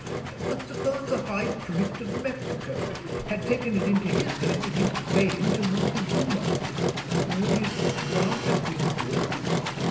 But suppose the high priest of Mexico had taken it into his head to give Spain to Montezuma, would his grant have been good?